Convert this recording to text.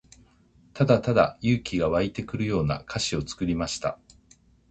ただただ勇気が湧いてくるような歌詞を作りました。